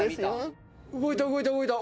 動いた動いた動いた。